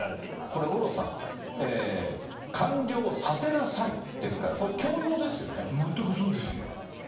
これ、五郎さん、完了させなさいですから、これ、全くそうですよ。